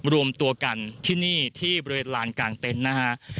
รวมตัวกันที่นี่ที่บริเวณลานกลางเต็นต์นะฮะ